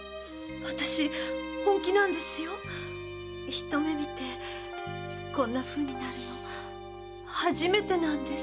一目見てこんなふうになるの初めてなんです。